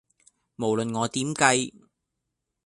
無論我點計